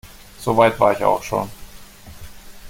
So weit war ich auch schon.